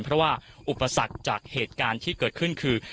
เพราะว่าอุปสรรคจากเหตุการณ์ที่เกิดขึ้นคือ